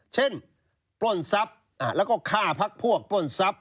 ปล้นทรัพย์แล้วก็ฆ่าพักพวกปล้นทรัพย